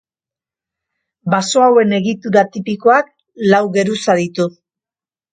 Baso hauen egitura tipikoak lau geruza ditu.